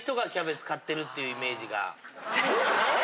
えっ！？